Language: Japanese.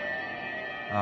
ああ。